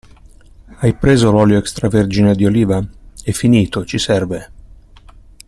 Hai preso l'olio extravergine di oliva? È finito, ci serve!